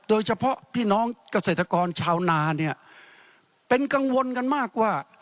โดยเฉพาะพี่น้องเกษตรกรชาวนาเนี่ยเป็นกังวลกันมากว่า